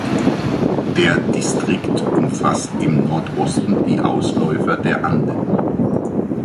Der Distrikt umfasst im Nordosten die Ausläufer der Anden.